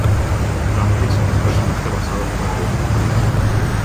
Francis, un personaje basado en Godwin.